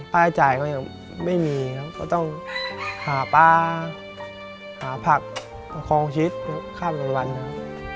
ภาษาจ่ายก็ยังไม่มีครับก็ต้องหาปลาหาผักของชิ้นหรือข้ามกลางวันครับ